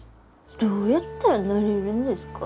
どうやったらなれるんですか？